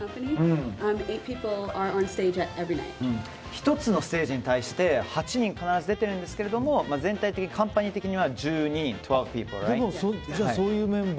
１つのステージに対して８人、必ず出ているんですけど全体的に、カンパニー的には１２人。